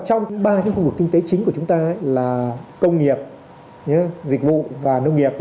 trong ba khu vực kinh tế chính của chúng ta là công nghiệp dịch vụ và nông nghiệp